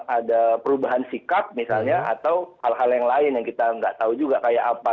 ada perubahan sikap misalnya atau hal hal yang lain yang kita nggak tahu juga kayak apa